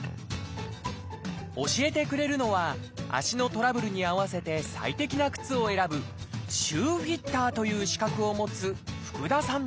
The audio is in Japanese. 教えてくれるのは足のトラブルに合わせて最適な靴を選ぶ「シューフィッター」という資格を持つ福田さん！